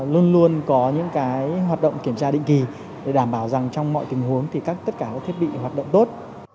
luôn luôn có những hoạt động kiểm tra định kỳ để đảm bảo rằng trong mọi tình huống thì tất cả các thiết bị hoạt động tốt